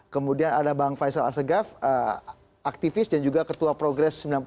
kemudian ada bang faisal asegaf aktivis dan juga ketua progres sembilan puluh delapan